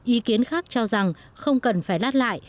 ý kiến khác cho rằng không cần phải lát lại